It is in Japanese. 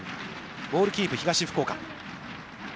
ボールキープ、東福岡。